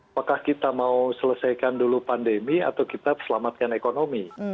apakah kita mau selesaikan dulu pandemi atau kita selamatkan ekonomi